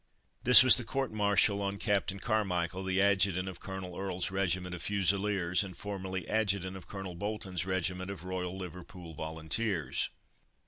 This was the court martial on Captain Carmichael, the Adjutant of Colonel Earle's regiment of Fusiliers, and formerly adjutant of Colonel Bolton's regiment of "Royal Liverpool Volunteers."